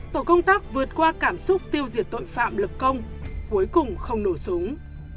tổ công tác vượt qua cảm xúc tiêu diệt tội phạm lực công cuối cùng không nổ súng